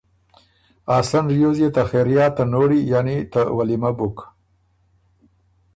ا سن ریوز يې ته خېریات ته نوړی یعنی ته ولیمۀ بُک۔